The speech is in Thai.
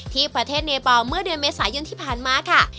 ที่ประเทศเนบอลเมื่อเดือนเมษายนที่ผ่านมาค่ะ